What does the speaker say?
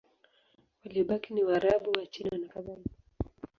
Waliobaki ni Waarabu, Wachina nakadhalika.